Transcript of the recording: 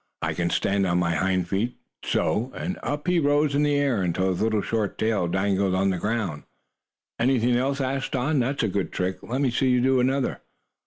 "I can stand on my hind feet so!" and up he rose in the air, until his little short tail dangled on the ground. "Anything else?" asked Don. "That's a good trick. Let me see you do another."